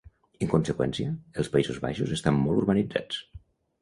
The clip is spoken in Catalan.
En conseqüència, els Països Baixos estan molt urbanitzats.